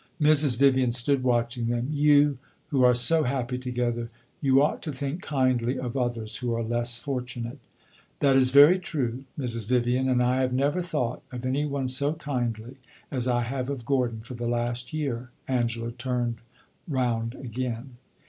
Mrs. Vivian stood watching them. "You, who are so happy together, you ought to think kindly of others who are less fortunate." "That is very true, Mrs. Vivian; and I have never thought of any one so kindly as I have of Gordon for the last year." Angela turned round again.